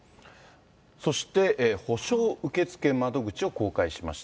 そして補償受付窓口を公開しました。